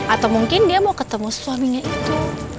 atau mungkin dia mau ketemu suaminya itu